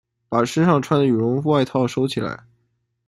把身上穿的羽绒外套收起来